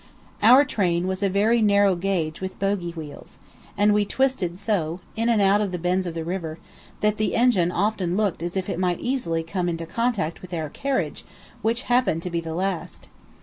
Our train was a very narrow gauge with bogie wheels, and we twisted so, in and out of the bends of the river, that the engine often looked as if it might easily come into contact with our carriage which happened to be the last.